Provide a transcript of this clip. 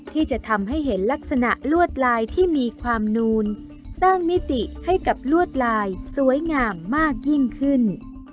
ที่จะทำให้เห็นลักษณะลวดลายที่มีความนูนสร้างมิติให้กับลวดลายสวยงามมากยิ่งขึ้น